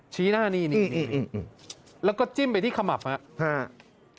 ชี้หน้านี่นี่แล้วก็จิ้มไปที่ขมับครับ